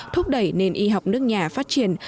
thúc đẩy nền y học nước nhà phát triển